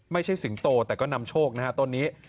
สิงโตแต่ก็นำโชคนะฮะต้นนี้